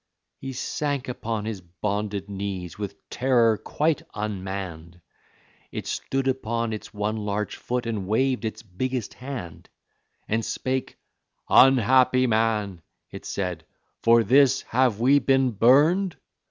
He sank upon his bonded knees, with terror quite unmanned; It stood upon its one large foot, and waved its biggest hand, And spake: "Unhappy man," it said, "for this have we been burned?